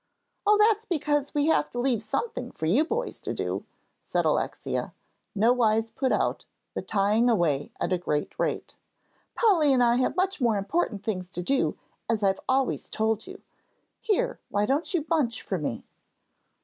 "Oh, that's because we have to leave something for you boys to do," said Alexia, nowise put out, but tying away at a great rate. "Polly and I have much more important things to do, as I've always told you. Here, why don't you bunch for me?"